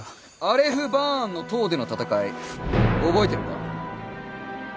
アレフバーンの塔での戦い覚えてるか？